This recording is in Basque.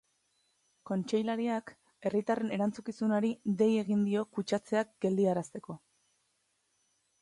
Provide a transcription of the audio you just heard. Kontseilariak herritarren erantzukizunari dei egin dio kutsatzeak geldiarazteko.